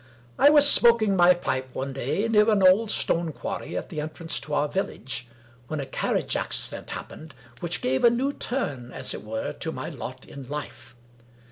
I was smoking my pipe one day, near an old stone quarry at the entrance to our village, when a carriage accident happened, which gave a new turn, as it were, to my lot in hfe.